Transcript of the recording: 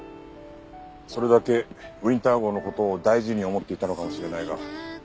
それだけウィンター号の事を大事に思っていたのかもしれないが。